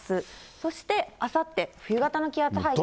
そしてあさって、冬型の気圧配置。